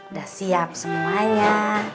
udah siap semuanya